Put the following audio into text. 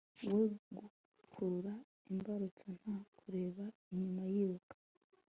we gukurura imbarutso. nta kureba inyuma yiruka